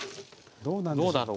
どうなんでしょう。